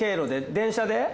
電車で？